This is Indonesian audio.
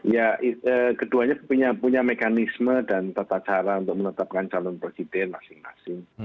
ya keduanya punya mekanisme dan tata cara untuk menetapkan calon presiden masing masing